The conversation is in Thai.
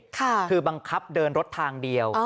ค่ะคือบังคับเดินรถทางเดียวอ๋อ